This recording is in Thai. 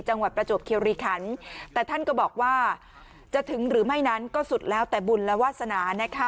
ประจวบคิวรีคันแต่ท่านก็บอกว่าจะถึงหรือไม่นั้นก็สุดแล้วแต่บุญและวาสนานะคะ